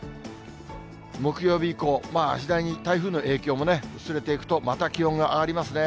木曜日以降、次第に台風の影響も薄れていくと、また気温が上がりますね。